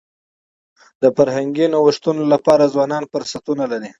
د فرهنګي نوښتونو لپاره ځوانان فرصتونه لري.